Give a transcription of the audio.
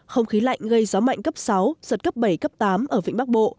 không khí lạnh gây gió mạnh cấp sáu giật cấp bảy cấp tám ở vĩnh bắc bộ